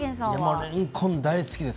れんこん大好きです。